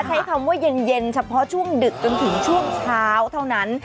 ใช้คำว่าเย็นเฉพาะช่วงดึกจนถึงช่วงเช้าเท่านั้น